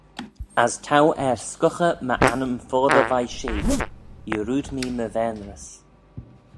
As t'ou er scughey my annym foddey veih shee: yarrood mee my vaynrys.